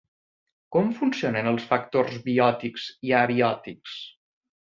Com funcionen els factors biòtics i abiòtics?